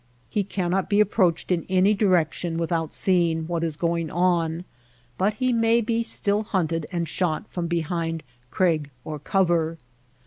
He cannot be approached in any direction without seeing what is going on ; but he may be still hunted and shot from behind crag or cover.